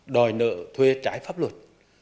đòi nợ thuê trái pháp luật